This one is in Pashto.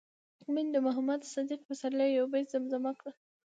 مينې د محمد صديق پسرلي يو بيت زمزمه کړ